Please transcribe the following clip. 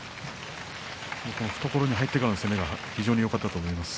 懐に入ってからの攻めが非常によかったと思います。